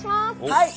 はい！